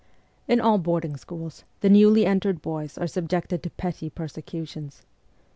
In all boarding schools the newly entered boys are subjected to petty persecutions.